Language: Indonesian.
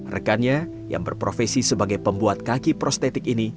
rekannya yang berprofesi sebagai pembuat kaki prostetik ini